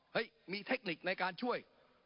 ๒เฮ้ยมีเทคนิคในการช่วย